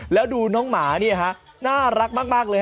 แล้วดูน้องหมานี่ฮะน่ารักมากเลย